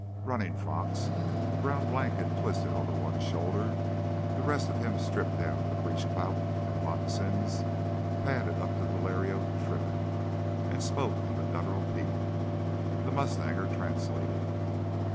Running Fox, a brown blanket twisted over one shoulder, the rest of him stripped down to breechclout and moccasins, padded up to Hilario Trinfan and spoke in the guttural Pima. The mustanger translated.